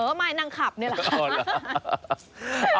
เออไม่นั่งขับนี่แหละ